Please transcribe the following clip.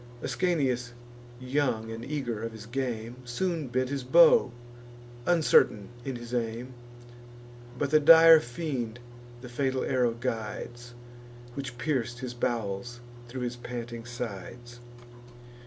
Ascanius young, and eager of his game, Soon bent his bow, uncertain in his aim; But the dire fiend the fatal arrow guides, Which pierc'd his bowels thro' his panting sides.